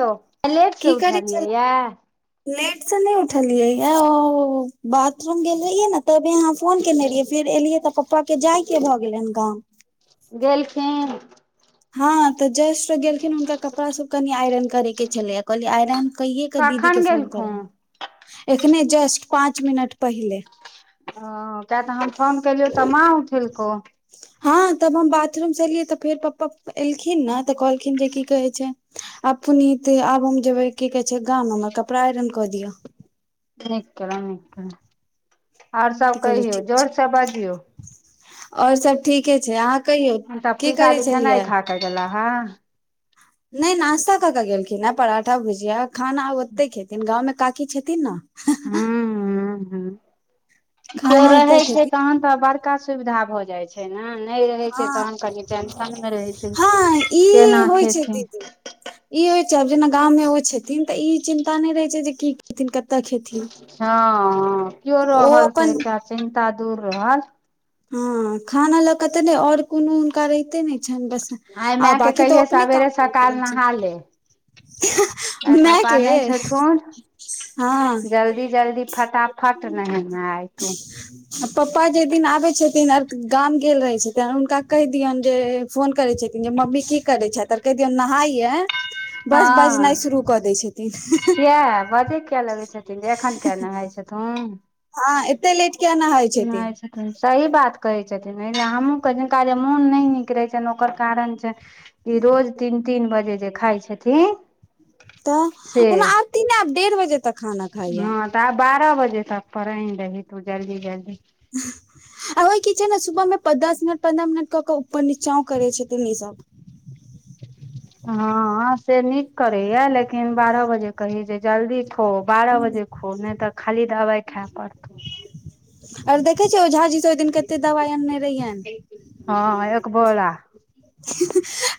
Hello late से की करै उठलियै या छलहुँ लेट से नय उठलियै य बाथरूम गेल रहियै ने तभी अहाँ फोन केने रहियै फेर एलियै तऽ पप्पा के जाय के भऽ गेलैन गाँव गेलखिन हँ तऽ जस्ट गेलखिन हुनका कपड़ा सब कनि आइरन करे के छलैए कहलियै आइरन कहीये के दीदी कखन के फोन गेलखुन ओ करब एखने जस्ट पाँच मिनट पहिले ओ किया तऽ हम फोन केलियौ तऽ मा उठेलको हँ तब हम बाथरूम से एलियै तऽ फेर पप्पा एलखिन ने तऽ कहलखिन जे की कहे छै आब पुनीते आब हम जेबे की कहे छै गाम हमर कपड़ा आइरन कऽ दियअ नीक केलो नीक केलो आर सब कहियौ जोरसँ बाजियौ ओर सभ ठीके छै अहाँ कहियौ तऽ की करै पिसाजी खेनाइ छलियै खा कऽ गेला हे [inaudible] नय नाास्ता कऽ केऽ गेलखिन हे पराठा भुजिया खाना आब ओते खेथिन गाँवमे काकी छेथिन हूँ हूँ हूँ के खाना रहै ओतऽ छै खेथिन तहन तऽ बड़का सुविधा भऽ जाइ छै छै ने नय रहै छै हँ तहन कनी टेंशनमे रहै छै हँ ई केना होइ छै खेथिन दीदी ई होइ छैब जेना गाँं में ओ छथिन तऽ ई चिन्ता नय रहे छै जे की खेथिन कते खेथिन हँ केओ ओ रहल तऽ अपन एकटा चिन्ता दूर रहल हँ खाना लऽक ते ने और कोनो हुनका रहिते ने बस आइ आ मायके बाकी तो कहियै अपने सवेरे काम कर सकाल रहै छै नहा ले आइ मै पापा के नहि छथुन [inaudible] हँ फट नहि [inaudible] ने तू आ पप्पा जे दिन आबै छथिन आर गाम गेल रहै छथिन हुनका कहि दियन जे फोन करै छथिन जे मम्मी की करै छथि आर कहि दियऔ नहाइये बस बजनाइ शुरू कऽ दै छथिन क बजे किया लगै छथिन जे एखन किया नहााय छथुन हँ एते लेट किया न हाय छि छथिन सही बात कहे छथिन हमँनका ल मोन नहि नीक ठीक रहै छ ओकर कारण छै ई रोज तीन तीन बजे जे खााय छथिन तऽ से ओ आयती ने आब डेढ़ बजे तक खाना खाइये हँ तऽ आब बारह बजे तक पर आ दही तू जल्दी जल्दी ह आ ओहि की छै ने सुबह मे दस मिनट पन्द्रह मिनट कऽ के ऊपर नचां कर छथिन ई सब हँ से नीक करैया लेकिन बारह बजे कही जे जल्दी खो बारह बजे खो नहि तऽ खाली दबाइ खा पड़त और देखे छियै ओऔझा जी से ओहि दिन कते दवाई आनने रहियै हँ एकबोरा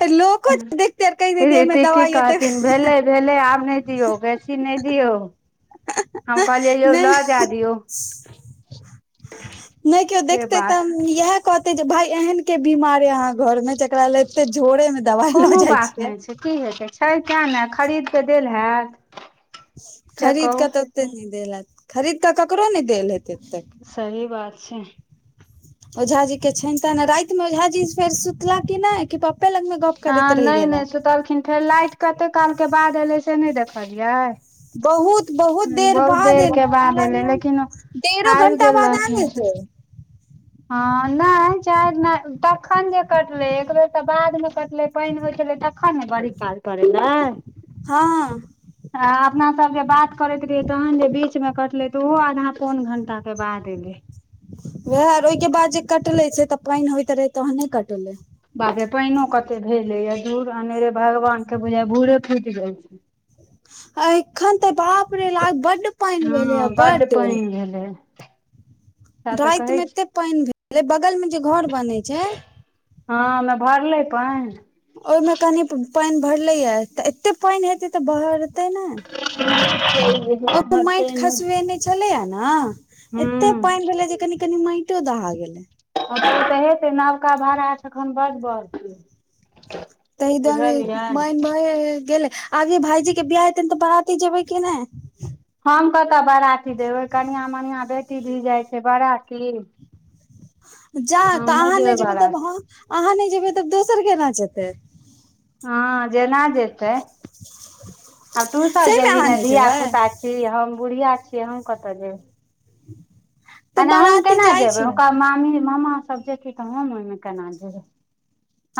लोको देखतेर कहि दियमे दबाइ हो तै े आब नहि दियौ बेैसी नहि दियौ हम कहलियै यौ नहि लऽ जाय दियौ नहि केओ से देखतै तऽ बात इएह कहते जे भाय एहन के बीमार अहाँ घर मे जेकरा लैल एते झोरे में दवाइ लऽ कोनो जाइ बात छियैक नहि छै की हेतै छै तै ने खरीद क देल होैत खरीद कऽ तऽ ओते नहि देल हत खरीद कऽ ककरो नहि देल हेत एतेक सही बात छै ओझा जी के छनि त ने राति मे ओझ जी फेर सुतला की नहि कि पा हँ नहि नहि सुतलखिन फेर लाइट कते काल के बाद एलै से नहि देखलियै बहुत बहुत देर बहुत बाद एल के बाद एलै लेकिन डेढ़ो आबि घं्टा गेल बाद आयल रहथिन हेतै हँ नहि चाय नहि तखन जे कटलै एक बेर तऽ बादमे कटलै पानि होइत छलै तखन कर ने बड़ी काल पर अयलैय हँ हँ आ अपना सब जे बात करैत रहिए तहन जे बीच मे कटले त ओहो आधा पौन घंटा तकर बाद एलै वएह ओहिके बाद जे कटले से तऽ पानि होइत रहै तन नहि कटले बापे पानि कते भेलै या झूर अनेरे भगवान के बुझााय भूरे फूटि जाइ छै आ एखन तऽ बापरे ल बड्ड पानि भेलै हँ ह बड्ड पानि भेलै सएह तऽ राति कहै मे छी एते पानि भेल बगल मे जे घर बनैत छै हँ हमे भरले पाईन ओहिमे कनि पानि भरलैए तऽ एते पानि हेतै तऽ भरतै ने [inaudible] माइट नहि खसलय ने छलियया ने एते हूँ पानि भेलै जे कनी कनी माटो दहा गेलै तऽ हेतै नबका भाड़ाखन बड बढ़तै तऽार बुझलियै मन म गेले अभी भाईजी के बिआाह हेत ने तऽ बरातीे जेबै कि नहि हम कतऽ बराती देबै कनआ मनििया बेटी धि जाइ छै बराती जा तऽ अहाँ नहि जेबै तब अहाँ नहि जेबै तब दोसर केना जेते। हँ जेना जेतै आब तू सभ सहीमे जेबही अहाँ ने नहि जेबै धियापुता जी हम बुढ़िया छियै हम कतऽ जेब ह। आने हम केना जेबै ओरा मामी मामा सभ जेथि तऽ हम ओहि मे केना जेबै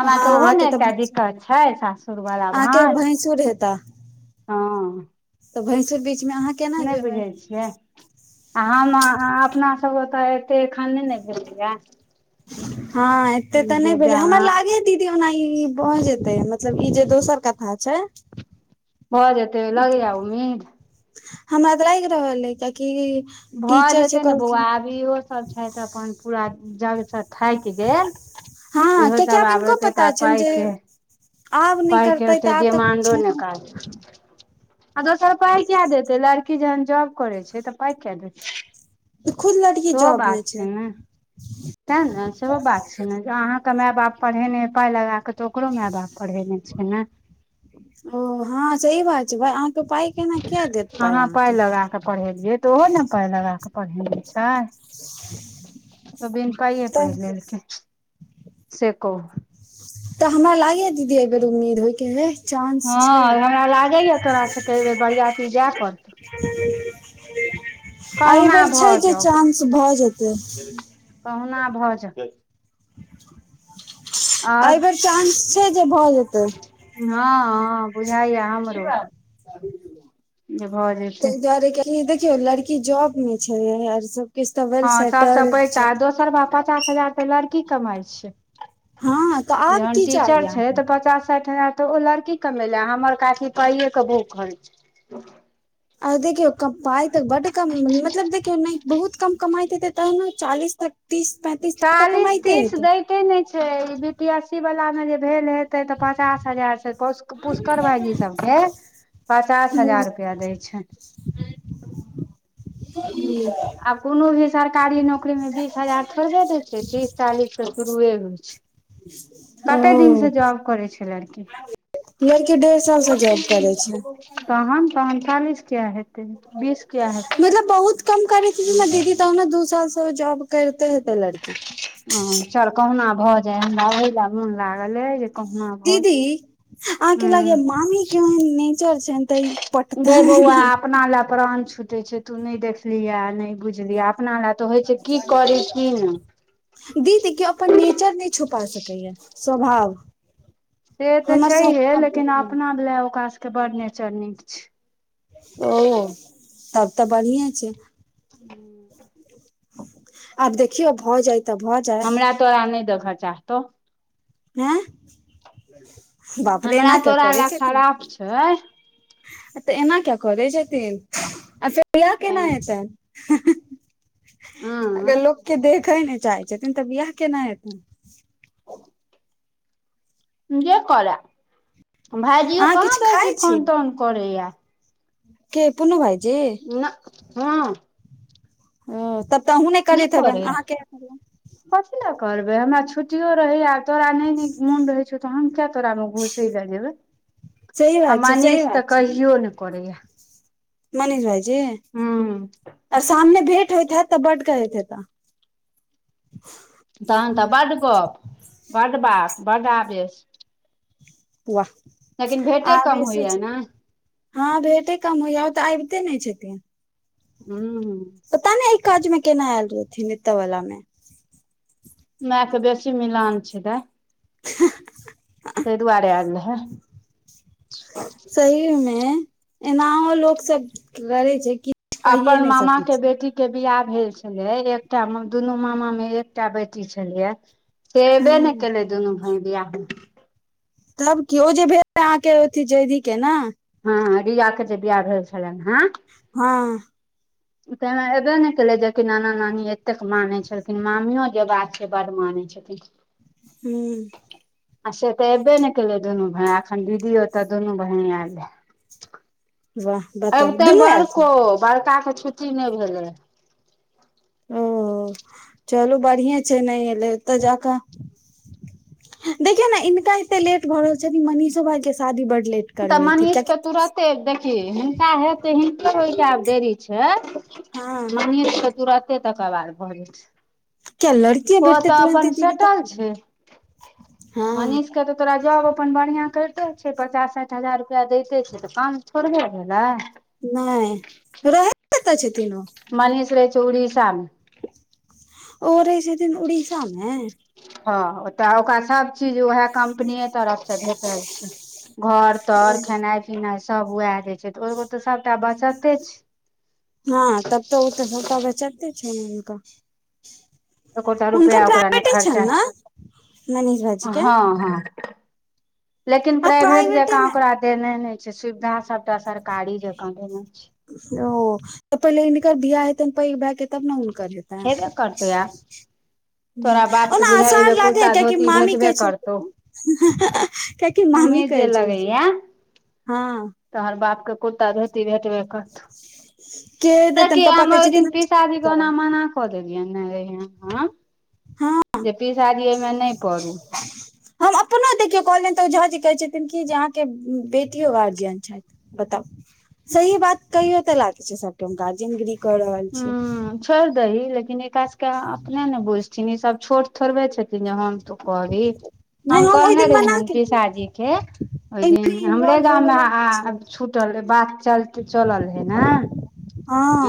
हमरा तऽ ओहो अहाँके ने एकटा भैंसुर दिक्कत छै सासुरवला अहाँके भाज भैंसुर हेता ह तऽ भैसुर बीचमे अहाँ केना नहि जेबै बुझै छियै। हम अपना सभके तऽ एते एखने नहि भेलैय ह एते तऽ नहि भेलोल हमर जहाँ लागे दीदी ओना ई भऽ जेतै मतलब ई जे दोसर कथा छै। भऽ जेतै लग ज उम्मीद हमरा तऽ लागि रहल है कियकि। भऽ जेतै ने बौआ आब इहो सभ छै अपन पूरा जग से थाकि गेल हँ इहो कियाकि आब सभ हिनको आबते पता टा छनि पाई जे के आब नहि पइके करतै होतै तऽ आब तऽ डमान्डो छै नहि कह आ दसरा पाई कऽ देतै लड़की कि जहन जॉब करै छै तऽ पाई कऽ दै छै खुद लड़की ओ जॉब मे बात छै ने ते ने सेहो बात छै ने अहाँकेँ माय बाप पढ़ेने पाई लगा कऽ ओकरो माय बाप पढ़ेने छै ने ओ हँ सही बात छै भाय अहाँकेँ पाई केना किया देत पाय अहाँ पाइ अहाँकेँ लगा पढ़ेलियै तऽ ओहो ने पाय लगा के पढ़ेने छै तऽ बिन पाई पढ़ि तऽ लेलक सखू। तऽ हमरा लागे हा दीदी एक बेर उमीद होई के है ह हमरा लागैएा तोरास सेके बेर बरियती जाय पड़तौ आहि कहुना बेर छै भऽ जे जाउ चानस भऽ जेतै कहूना भऽ जे आओर एहि बेर चानस छै जे भऽ जेतै ह बुझाइया जे भऽ त जेतै [unintelligible] देखियौ लड़की जॉब मे छै आर सभ हँ सभसँ पैघ ता दोसर भा पचास हजार तऽ लड़की कमाई छै हँ तऽ आब जहन की चाही टीचर छै अहाँके तऽ पचास साठि हजार। तऽ ओ लड़की कऽ मेले हमर काथी पाइए के भुख ख छै आ देखियौ कम पाई तऽ बड़ कम मतलब देखियौ नहि बहुत कम कमाई देतै तह ने चालीस तक तीस पेतीस तऽ चालीस कमाइते तीस हतै दैते छै बी पी एस सी वाला मे ज भेल हेतै तऽ पचास हजार से पुष्कर भायजी सभके पचास हजार रुपआ दै छै। ह [unintelligible] आब कोनो भी सरकारी नौकरी। नौकरी मे बीस हजार थोड़बे दै छै तीस चालीस तऽ शुरुए होइ छै ह। कते दिन से जॉब करै छै लड़की। लड़की डेढ़ साल से जॉब करे छै तहन तहन [unintelligible] बीस किया हेतै [inaudible] मतलब बहुत कम करै छै न जेना दीदी तहनो दू साल से जॉब करिते हेतै लड़की ह चल कहुना भऽ जाय हमरा ओहि लऽ मोन लागल हे जे कहुना भऽ दीदी जाय आके लागै हूँ मामी केन नेचर छै त ई गै पटतनि बौआ अपना लए प्राण छुटे छै तू नै देखलियहे नै बुझलियह अपना लए तऽ होइ छै की करै की ने दीदी केँ अपन नेचर नै छुपा सकैए स्वभाव से तऽ हमर छैहे स्वभाव लेकिन केहन अपना लए ओकरा सभ केँ बड़ नेचर नीक छै अछि ओ [inaudible] तब तऽ बढ़िए छै [unintelligible] आब देखिय भऽ जाइ तऽ भऽ जाय हमरा तोरा नै देख चाहतौ आँ हमरा तोरा लए खराब छै तऽ एना किया करै छथिन आ फेह [unintelligible] केना हेतैन [inaudible] हूं अगर लोक केँ देखय नै चाहै छथिन तऽ बिआह केना हेतै जे करै [inaudible] भाईजियो अहाँ कहाँ किछु खाइ बेसी फोन तोन करैया केँ पूनू भाईजी ना हँ हु तब तऽ अहूँ नै नहि करैत हेबैन करैया अहाँ [unintelligible] कथी लऽ करबै हमरा छुट्टियो रहै आ तोरा नै नीक मोन रहै छै तहन किया तोरा में घुसे लऽ जेबे सही आ बात छै सही मनीष बात तऽ छै कहियो नै करैय मनीष भाईजी हूऽ आ सामने भेट होइ हैथ तऽ बढ़ कहैत हैता तहन तऽ बड गप बड बात बड आवेश वाह लेकिन [inaudible] भेटे कम आबेस होइया छै ने हँ भेंटे कम होइया ओ तऽ आबिते नै छथिन [unintelligible] पता नै यै काज में केना ऐल रहथिन ऐत वला में मै केँ बेसी मिलान छै दैय [unintelligible] तैय दुआरे ऐल रहै सही में एनाहो लोक सब लड़ै छै कि अपन मामा केँ बेटी केँ बियाह भेल छलैय एकटा म दुनू मामा म एकटा बेटी छलैय से ऐबै नै हूँ केलै दुनू भाय बियाह म तब की ओ जे भेल रहे अहाँकेँ अथी जैधी केँ न हँ रीया केँ जे बियाह भेल छलैन हँ हँ [inaudible] तैना एबे न केले जेकि नाना नानी एतेक माने छलखिन मामियो जे बात छै बड माने छल [unintelligible] हूँ आ से तऽ ऐबे ने केले दुनू भै अखन दीदी ओतऽ दुनू बहिन आयले वाह बताउ अबिते दुनू आयल छै बड़को बड़का के छुट्टी नै भेलै ओ चलू बरहीए छै नै एलै ओतऽ जाकऽ देखियौ ने इनका एते लेट भऽ रहल छथिन मनीषो भाई के शादी बड लेट तऽ करबेथिन कियाकि मनीषके तुरते देखही हिनका हेतै हिनके होइके आब देरी छै हँ मनिष के तुरते तकरबार भऽ जेतै किया लड़कीये ओ भेटतै तऽ अपन तुरन्ते दीदी सेटल तऽ छै हँ मनीष के तऽ तोरा जॉब अपन बढ़िआँ कैरते छै पचास सैठ हजार रुपैआ दैते छै तऽ काम थोड़बे भेलै नै रहै कत छथीन ओ मनीष रहै छै उड़ीसमे ओ रहै छथीन उड़ीसामे हँ ओतऽ ओकरा सभ चीज उएह कम्पनीय तरफ से भेट छै घर तर खेनाइ पीनै सब वएह दै छै तऽ ओगो तऽ सबटा बचते छै हँ तब तऽ ओ तऽ सबटा बेचतते छै न हुनका एकोटा हुनकर रुपैआ ओकरा ने प्राइवेटे खर्चा छनि ने मनीष छै भाईजी के हँ हँ लेकिन आ प्राइवेट प्राइवेटे जकाँ मे ओकरा देने नै छै सुविधा सबटा सरकारी जकाँ देने छै ओ तऽ पहिले हिनकर भिआह हेतै पै भै के तब ने कर हेतै हेबे करतै आब तोरा बाप के ओना बुझाइ आसार एबे लागे है कुर्ता कियाकि धोती मामी भेटबे कहै करतौ छलखीन ह कियाकि मामी उम्मीद जे कहै लगैया छेलखीन हँ तोहर बापके कुर्ता धोती भेटबै के देतनि तौ पप्पा हम कहै ओहि छथिन दिन पीसा जी के ओना करब मना क देने [unintelligible] हऽ हँ जे पीसादी ओमे नै करु हम अपनो देखियो कहलियैन तो ओ झा जी कहे छथिन की जे अहाँ के बेटियो गार्जियन छैथ बताउ सही बात कहियो तऽ लागै छै सबके हम गार्जियनगिरी क रहल छियै छोइर दही लेकिन एकरा सबके अपने ने बुझथिन ई सब छोट थोड़बे छथिन जे हम तू कहबी नहि हम ओहि कहने दिन मना रहीहेन केलियै पिसाजीे के ओय एहिमे दिन हमरे इन्वॉल्व होयवला नहि छै गामवमे छुटल रहे बात चलते चलल रहे ने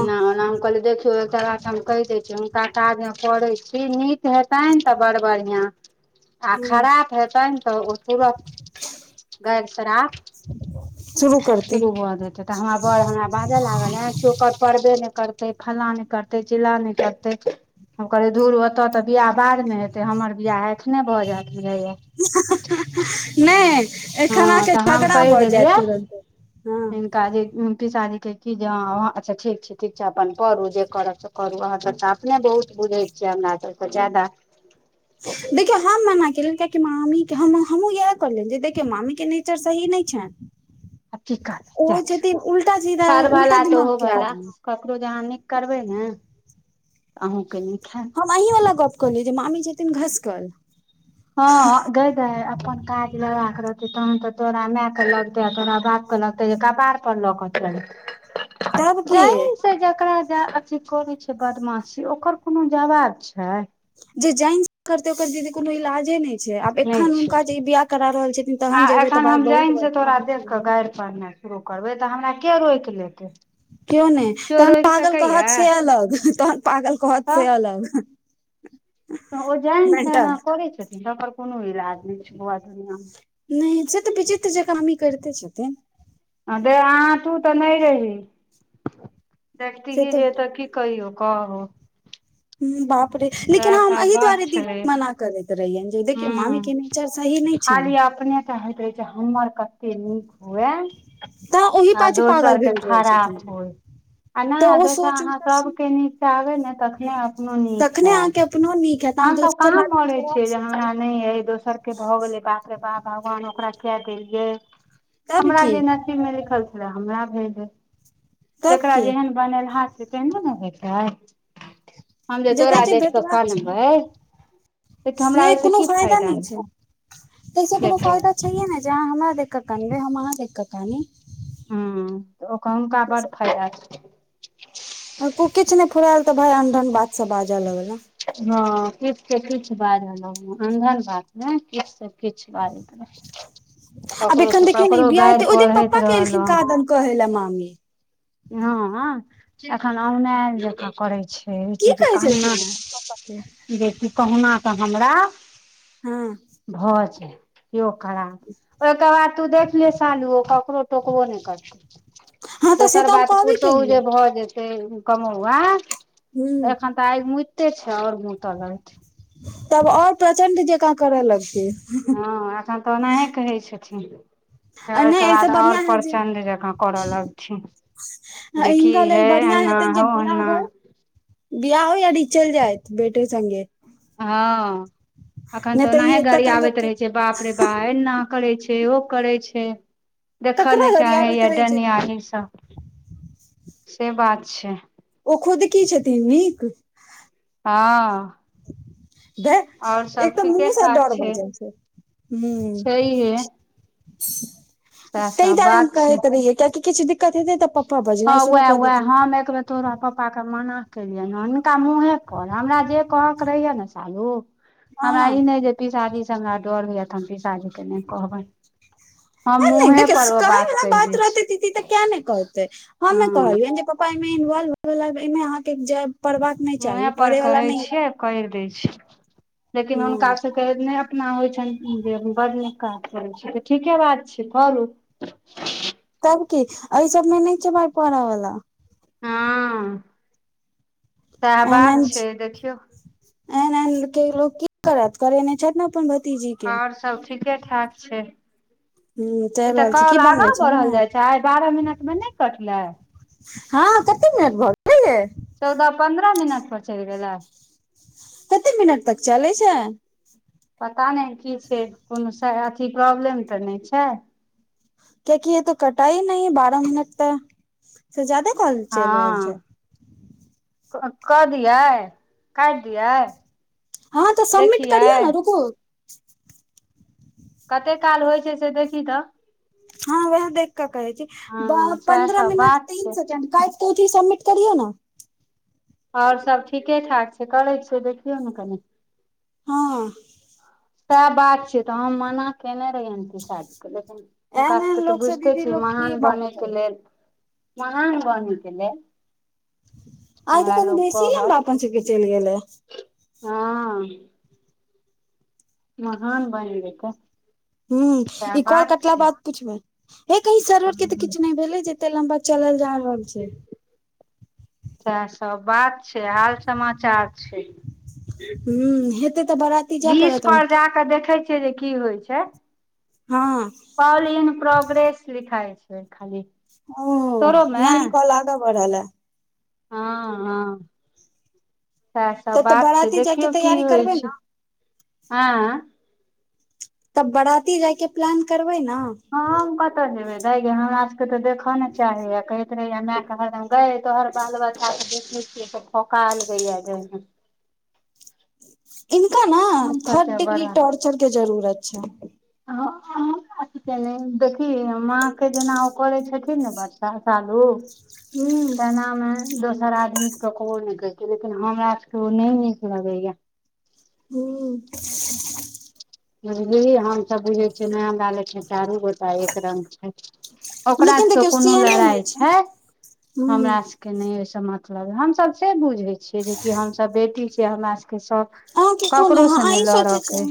एना ओना हम कहलीयै देखियो एकता बात हम कैसे दै छी हुनका काजमे परै छी नीक हेतैन‌ तऽ बड़ बढ़िआँ आ ह खराब हेतैन तऽ ओ तुरत गैर शराब शुरू हो जेत तऽ हमरा बड़ हमरा बाज लागल ह कि ओकर पबे नै करतै फल्ला नै करते चिल्ला नै करतै हम कहले धूर ओते तऽ बियाह बाद मे हेते हमर बियाह एखने भ जेएत बुझाया य नै एखन हँ अहा के तऽ हम झगड़ा भऽ जायत तुरन्ते हँ पिताजी पिसाजी के की जौ हँ हँ अच्छा ठीक छै ठीक छै अपन परू जे करब से करू अहाँसभ तऽ अपने बहुत बुझै छियै हमरा सभस ज्यादा देखियौ हम मना केलिय कियाकि मामी हमू इएह कहलियनि जे देखियौ मामी के नेचर सही नै छैन आब की करबै ओ जाए दियौ छथिन उल्टा सीधा कर उल्टा भला तऽ दिमाग ओहो के भला आदमी ककरो जे अहाँ नीक करबै ने त अहूँके नीक हेएत अही वला गप कहलीयै जे मामी छेतीन घसकल हँ गे माय अपन काज लग के रहते तहन तऽ तोरा मै के लगत तोरा ब लगते कपार पर लोक च [unintelligible] की जाई जेकरा जे अथी करे छै बदमाशी ओकर कोनो जवाब छै। जे जैन ओ ते ओकर दीदी कोनो इलाजे नहि छै आब नहि एखन छै हुनका जे ई बियाह करा रहल छथिन आ तहन जेबै तऽ एखन भाय हम बहुत जानि से बढ़िआँ तोरा देख बहुत कऽ बढ़िआँ गारि पढ़नाइ शुरू करबै तऽ हमरा के रोकि लेत केओ नहि तहन पागल कहत से अलग तहन पागल कहत से अलग। [inaudible] आ जान छै मेंटल करै छथिन तकर कोनो इलाज नहि छै बआ दुनिया मे नहि से तऽ विजी तऽ जे कामी करते छैते दे अह तू तऽ नहि री देखती जे तऽ कि कहि कह बाप रे लेकिन हम सब एहि बात दुआरे छलै दीदी मना करैत रहियै देखियौ मामी हूँ के नेचर सही नहि छैन चाहैत रहै जे हमर कते नीक हु ए तऽ ओहि आ पाछू पागल दोसर के भेल रहै खराब छथिन होय आ तऽ नहि ओ जैस सोच अहाँ सभ के नच से आबे ने तखने अपनो नीक नै अहाँ के अपना नीक हैत अहाँ हम सभ दोसर कहाम बारे मे पे खराब छियै सोचबै हमरा नहि य दोसर के भऽ गेलै बाप रे बाह भगवान ओकरा कऽ देलियै तब हमरा की जेना तब लकरा की जे [unintelligible] ने होत हम जे जकरा तोरा देख कऽ भेटबाक कान छै हमरा से ओहिस कोनो कि फायदा है से छाइए ने जे अहाँ हमरा देख कऽ कनबै हम अहाँ देख कऽ कान हू तऽ ओकर हुनका बड़ फायदा छै आ किछु नहि फराल तऽ भाय अनढन बात से बाजऽ लगलऽ ह किछु से किछु बाजल अहन बात ने किछु से किछ बारत नहि। आब ककरो एखन सँ देखियौ ने ई ककरो बियाह गारि हेतै ओहि दिन पढ़ैत पप्पा के एलखिन कादन कहै लए मामी रहलहुँ ह एखन औनाल जकाँ करै छै हो छै जे कहना [unintelligible] े जे कि कहुना कऽ हमरा। हू भऽ जे के खराब ओहि के बाद तू देखले सालु ककरो टोकबो नहि करतौ। हँ तऽ से दोसर तऽ हम बात कहबे पुतो केलियै जे भऽ जेतै। कमौआ तऽ हूँ एखन तऽ आग मुे छै आओर मुतलत तब आओर प्रचंड जकाँ करय लगतै हँ तऽ ओना हे कहै छथिन आ ओहिके नहि एहिसँ बाद ओर बढ़िआँ हइ जे प्रचंड जकाँ करऽ लगथिन जेकि हिनका लेल हे बढ़िया एना हेतनि जे हौ बिआह ओना होय बिआ हो आ डीचल जाय बेटे सगे ह अखन नहि तऽ ई ओनाहे गाड़ी एतुका लोक आबैत के रहे छै बाप रे बाह न करै छै ओ करै छै देखऽ ककरा ने लरियाबैत चाहैय रहै छै डाइनयाही सब से बात छै ओ खुद की छथिन नीक हँ भ आओर सब एक तऽ ठीके मुह सा ठाक डर भ जाइ छै हु छैहे सएह ता सब दुआरे हम बात छै कहैत रहियै कियकि किछु द दिक्कत हेतै तऽ पप्पा हँ भजनाइ शुरू उएह कऽ उएह देतिन हम एक बेर तोरा पप्पा के मना केलियनि हुनका मुँहे कर हमरा जे कहके रहैया ने सालू हमरा हँ ई नहि जे पसादी से हमरा डर होय त हम पीसादी के नहि कहबै नहि नहि देख कह वला बात छी रहते दीदी त हम नई हँ कहिय जे ऐमे इन्वॉल्व होइ बाला ऐ मे जैक पर्वक नहि चाही पढ़ैवला नहि कर दै छै लेकिन हुनका हँ स नहि अपना होइ छनि जे बड़ नीक काज करैत छै तऽ ठीके बात छै करू तब की एहि सब मे नहि छै भाइ पोराा वालला हँ सएह बात छै देखियौ एन ऐन ककरो लोक की करत करै नहि छथि ने अपन भतीजी के आओर सब ठीके ठाक छै ह चलि ई तऽ रहल छी की कॉल बनबै आगा छै ने बढ़ल जाइ छै आइ बारह मिनट मे नहि कटले हँ कतेक मिनिट भ चौदह पंन्द्रह मिनट पर चलि गेले कते मिनट तक चलै छै पता नहि की छै कोनो से अथी प्रॉब्लम तऽ नहि छै कियकि ये तो कटाई नह बारह मिनट तऽ से ज्यादे कॉल चलि रहल छै हँ कऽ दियै काटि दियै हँ तऽ सबमिट करियौ देखियै ने रुको कते काल होइ छै से देखी तऽ हँ वह देख कऽ कहै छी हँ सएह पन्द्रह सब मिनट बात तीन छै सेकंड क कोठी सबमिट करिय ने आओर सब ठीके ठाक छै करै छियै देखियौ ने कनि हँ सएह बात छियै तऽ हम मना कने रहियी पिसाजी के लेकिन हुनका एहन एहन सबके तऽ लोक से बुझिते दीदी छीियै लोक की महान बात बने के करे लेल महान बनेै के लेल आ त हमरा कनी लोक बेसी कहत लम्बा अपनन सबके चलि गेलै हँ महान बान [unintelligible] ह ई कल कटला बाद पूछबे हे कह सर्वर केऽ हूँ किछु नहि भेलै जे ते लम्बा चलल जा रहल छै त सब बात छै हाल समाचार छै ह हेते तऽ बरा बीच पर जा कऽ देखै छियै जे की होइ छै हँ कॉल इन प्रोग्रेस लिखइ छै खाली ओ तोरो मे यान कहल आग बढ़ ल हँ हँ सएह सब तब तऽ बात छै बराती जायके देखियौ की तैयारी होइ करबै छै ने ह तब बराती जाय के प्लान करबै न हम कतऽ जेबे दऽ ग हमरा सभके ते देखऽ ने चाही य कहैत रहे मै कह गय तोहर बाल बच्चा के देखने छियै तऽ फठका आल गया गया मे इनका ने हम थर्ड कतऽ डिग्री टोर्चर के जरूत छै आ। के नहि देखी माँ के जेना ओ करै छथिन ने बच्चा सालू हूँ। तेनामे दोसर आदमी के ककरो नहि करै छै लेकिन हमरा सभके ओ नहि नीक लगैएा हू। बुझली हम सभ बुझे छियै नै हमरा ले छै चारू गोटा एक रंग छै ओकरा लेकिन सभके देखियौ कोनो से नहि होइ लड़ाई छै हूं हमरा सभ के नहि ओहिसँ मतलब हमसभ से बुझै छियै जेकि हम सभ बेटी छियै हमरा सके सभ अहाँके कोन करो से नहि लऽर के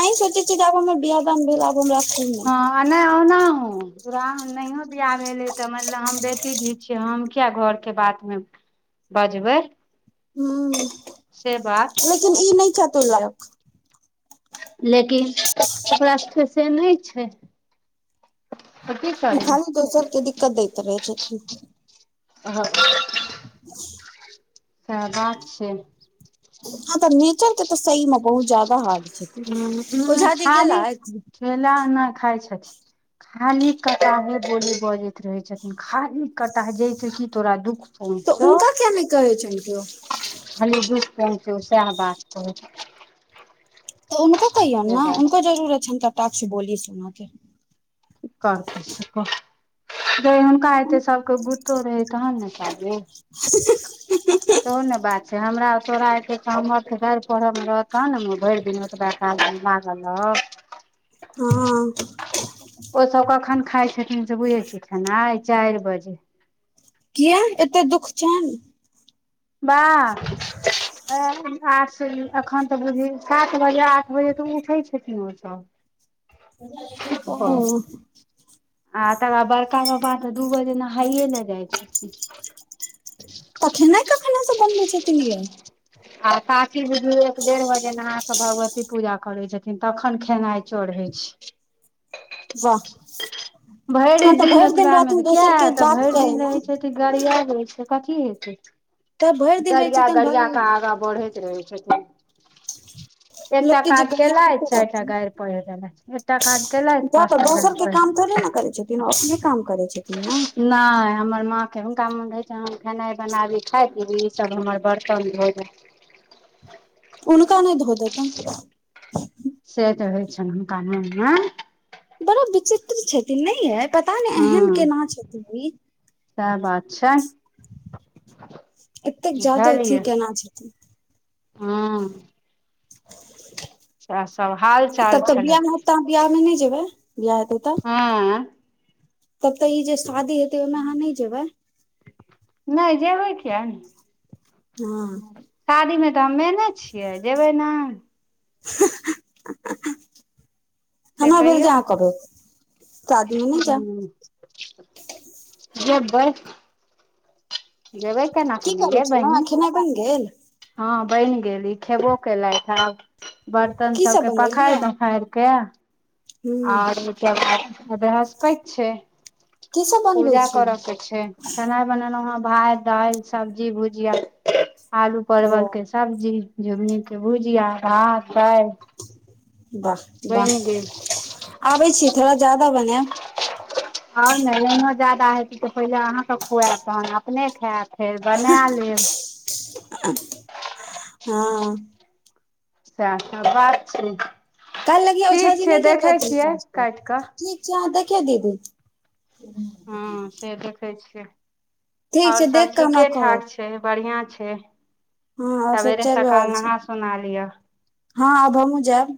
अइ सोची छै जेब बिआ दाम बिलब हम रख ने नहिना पूरा नहियो बियाह भेलै तऽ मत हम बेटी छी हम किया घर के बात मे बजबै हूं से बात। लेकिन ई नहि छै तुल। लेकिन परस से नहि छै तऽ की ई करबै खाली तो सभके दिक्कत दैत रहे छै ओ। ब। सेहा बात छै ह तऽ नेचर के तऽ सही मे बहुत जादा हार छै ओझा जे गेला बेला नहि खाय छथि खाली कटाहे बोली बजैत रहै छथिन खाली कटा जैस कि तोरा दुख तऽ उनका किया नै कयोजन के ओ हल बुस कोन छै किया बात कह तऽ हुनको कहियौन ने बात हुनको जरूर छनि कटाक्ष बोली सुोन क कि करतै हुनका एते सभके बुो रहै तहन ने चे ह [unintelligible] तो ने बात छै हमरा तोरा एर पढ़ब मे रहतह ने भरि दिन ओतब आ मागल [unintelligible] ह ओ सभ कखन खाई छथिन से बुझै छिय खेना आ चारि बजे। किया एते दुख छौई ने वाह। आठ एखन तऽ बुझ सात बजे आठ बजे त उठै छथिन ओ सभ हू आ तकर बाद बड़काेाबा तऽ दूगो दना हाइए लऽ जाई छै तखने खाना सभ बनबै छै तन यै आ साती बुज एक डढ़ वजे नास भगत शती पूजा करै छथिन तखन खेनाई चढ़ होई छै वाह। भरि हँ तऽ दिन भरि ओतबामे रातिमे तऽ किया दोसर के तऽ बात भरि कहे दिन मे रहै छै तऽ ई गड़िया जाै छै कथी होेतै तऽ भरि दिन रहै छै गरिया तहन गरिया कऽ भरि आगाँ बढ़ैत रहै छथिन एकटा लोकके जे काज केलथि गरीयाबैते चारिटा रहथिन गारि पढ़ि देलथि एकटा काज केलथि जा तऽ पाँचटा दोसर गारि पढ़ि [unintelligible] ने नय हमर माँ हुनका मोन रहै छै खेनाइ बनाबै बनाबी खाई पिबी ई सब हमर बर्तन धोइ दै उनका नय धो देतैन से तऽ होइ छैन हुनका मोन मे बड़ा विचित्र छथिन नय ये पता नइ एहन केना छथिन सैह बात छै एतेक जादा अथि बुझलियै केना छथि हँ [inaudible] सैह सब हाल चाल तब छलै तऽ अछि बियह मे नय जेबै बिआह हेतै तऽ हँ तब तऽ ई जे शादी हेतै ओहिमे अहाँ नय जेबै नय जेबै किया हँ नय शादीमे तऽ हम मेने छियै जेबै नइ से हम भेलर ज करब हु जबर जेबै केना क की करै नय छलहुँ बहिन अहाँ खेनाइ बनि गेल हँ बैन गेली खेबो केलैथ आब बर्तन की सब सबके बनेलियै पखाइर पखाइर क हूँ आओर ओ आय बृहस्पति छैय की सब बनबै पूजा छियै करऽ के छैय खेना बनेलहु ह भात दालि सब्जी भुजिया आलू ओ परवल के सब्जी झुगनी के भुजिया ह बस वाह आबै छये थोड़ा जादा बनैब आउ न नहियो जादा हेतै तऽ पहिले अहाँ क खुऐब तहन अपने खैब फेर बना लेब हँ सैह सब बात छी काल्हि लगिय ओझाजी नहि गेल रहथिन काज पर काटि कऽ ठीक छैहाँ देखियौ दीदी हँ से देखै छियै ठीक आओर छै सब देख कऽ हमरा कहब ठीकेठाक छैय। से बढ़िया छैय हँ आओर सब सबेरे चलि रहल सकाल छै नहा सुना लियअ हँ आब हमहु जैब